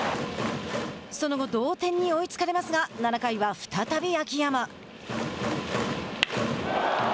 その後、同点に追いつかれますが７回は再び秋山。